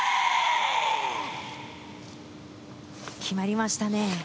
決まりましたね。